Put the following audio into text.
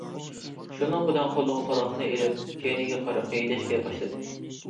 شۇنىڭ بىلەن قولىغا پالاقنى ئېلىپ كەينىگە قاراپ ھەيدەشكە باشلىدى.